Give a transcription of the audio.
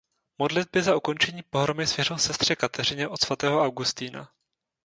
Modlitby za ukončení pohromy svěřil sestře Kateřině od Svatého Augustina.